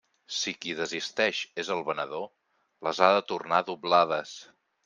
Si qui desisteix és el venedor, les ha de tornar doblades.